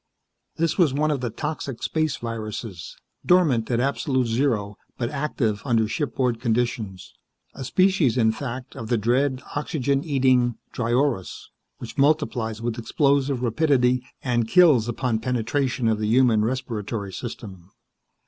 This was one of the toxic space viruses, dormant at absolute zero, but active under shipboard conditions. A species, in fact, of the dread, oxygen eating dryorus, which multiplies with explosive rapidity, and kills upon penetration of the human respiratory system.